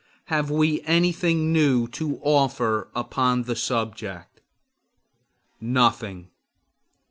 Have we anything new to offer upon the subject? Nothing.